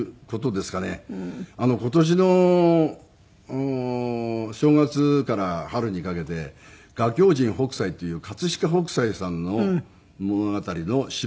今年の正月から春にかけて『画狂人北斎』っていう飾北斎さんの物語の芝居をやったんです。